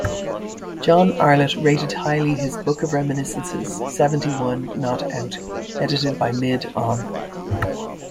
John Arlott rated highly his book of reminiscences "Seventy-one Not out", edited by "Mid-On".